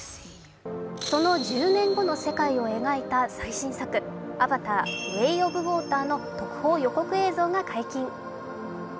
その１０年後の世界を描いた最新作「アバター：ウェイ・オブ・ウォーター」の特報予告映像が解禁。